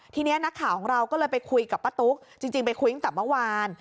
ทีนี้นักข่าวของเราก็เลยไปคุยกับป้าตุ๊กจริงไปคุยตั้งแต่เมื่อวาน